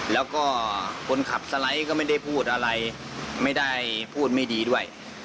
แล้วก็คนขับสไลด์ก็ไม่ได้พูดอะไรไม่ได้พูดไม่ดีด้วย